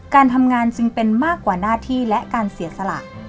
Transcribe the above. การทำงานจึงเป็นมากกว่าหน้าที่และการเสียสละ